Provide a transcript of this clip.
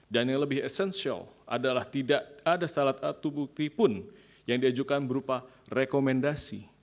dan yang lebih esensial adalah tidak ada salah satu bukti pun yang diajukan berupa rekomendasi